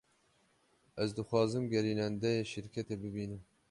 Ez dixwazim gerînendeyê şirketê bibînim.